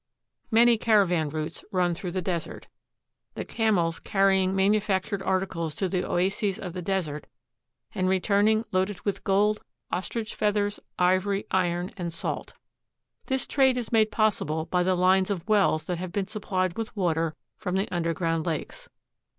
Many caravan routes run through the desert, the camels carrying manufactured articles to the oases of the desert and returning loaded with gold, ostrich feathers, ivory, iron, and salt. This trade is made possible by the lines of wells that have been supplied with water from the underground lakes.